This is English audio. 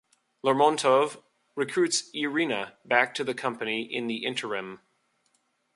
Lermontov recruits Irina back to the company in the interim.